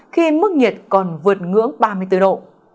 khi mức nhiệt còn vượt ngưỡng ba mươi bốn độ